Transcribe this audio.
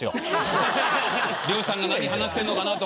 漁師さんが何話してんのかなとか。